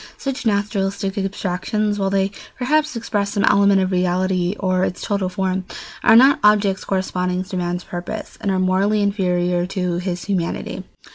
Such naturalistic abstractions, while they perhaps express some element of reality or its total form, are not objects corresponding to man's purposes and are morally inferior to his humanity.